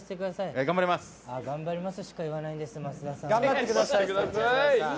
頑張りますしか言わないです、増田さん。